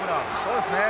そうですね。